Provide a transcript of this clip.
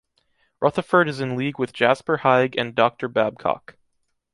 Rutherford is in league with Jasper Haig and Docteur Babcock.